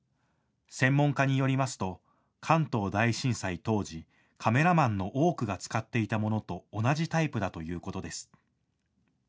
専門家によりますと関東大震災当時、カメラマンの多くが使っていたものと同じタイプだということです。